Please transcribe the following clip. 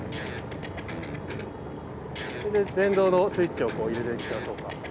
電動のスイッチを入れていきましょうか。